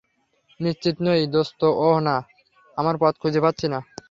নিশ্চিত নই, দোস্ত ওহ না, আমরা পথ খুঁজে পাচ্ছি না।